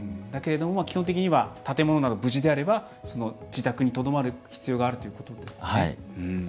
だけれども、基本的には建物などが無事であれば自宅にとどまる必要があるということですね。